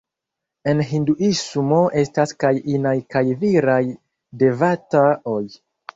En Hinduismo estas kaj inaj kaj viraj devata-oj.